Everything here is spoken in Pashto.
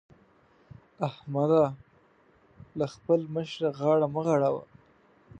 احمده! له خپل مشره غاړه مه غړوه.